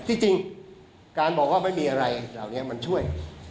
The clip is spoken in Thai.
จริงการบอกว่าไม่มีอะไรเหล่านี้มันช่วย